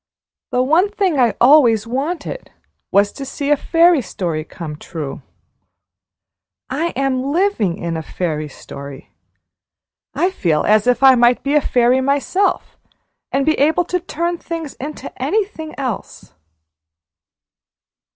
The one thing I always wanted was to see a fairy story come true. I am living in a fairy story! I feel as if I might be a fairy myself, and be able to turn things into anything else!"